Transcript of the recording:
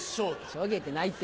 しょげてないって。